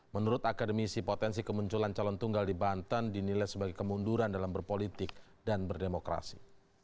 menurut akademisi potensi kemunculan calon tunggal di banten dinilai sebagai kemunduran dalam berpolitik dan berdemokrasi